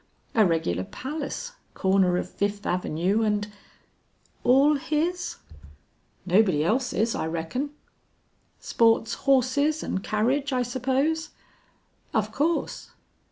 "A regular palace, corner of Fifth Avenue and " "All his?" "Nobody's else I reckon." "Sports horses and carriage I suppose?" "Of course."